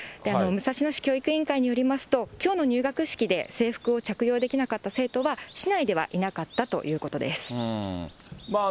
武蔵野市教育委員会によりますと、きょうの入学式で制服を着用できなかった生徒は、市内ではいなかったということです。